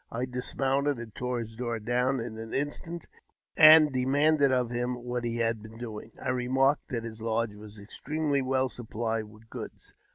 I dismounted, and tore his door down in an instant, and de manded of him what he had been doing. I remarked that his lodge was extremely well supplied with goods.